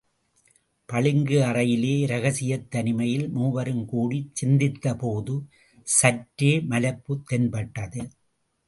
பளிங்கு அறையிலே இரகசியத் தனிமையில் மூவரும் கூடிச் சிந்தித்தபோது சற்றே மலைப்புத் தென்பட்டது!